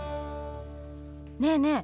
ねえねえ